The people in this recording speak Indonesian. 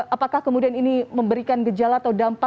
apakah kemudian ini memberikan gejala atau dampak